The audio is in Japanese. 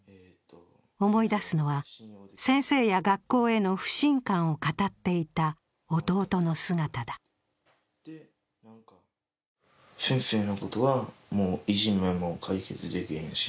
思い出すのは、先生や学校への不信感を語っていた弟の姿が。